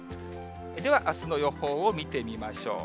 ではあすの予報を見てみましょう。